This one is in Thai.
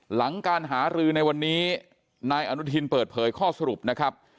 หลังการหารือในวันนี้นายอนุทินเปิดเผยข้อสรุปนะครับ